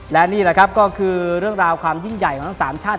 และนี่แหละครับก็คือเรื่องราวความยิ่งใหญ่ของทั้ง๓ชาติ